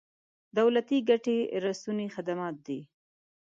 دولتي ګټې رسونې خدمات دي.